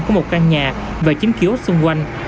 của một căn nhà và chiếm kiosk xung quanh